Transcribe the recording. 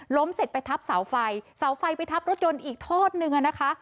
เสร็จไปทับเสาไฟเสาไฟไปทับรถยนต์อีกทอดหนึ่งอ่ะนะคะ